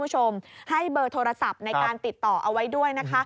ให้เบอร์โทรศัพท์ในการติดต่อเอาไว้ด้วย